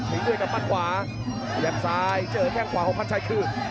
พยายามซ้ายเจอแข้งขวาของพันชัยคือ